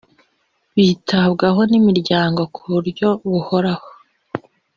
bitabwaho n imiryango ku buryo buhoraho